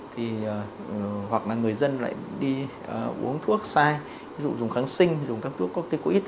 thì hoặc là người dân lại đi uống thuốc sai ví dụ dùng kháng sinh dùng các thuốc có ít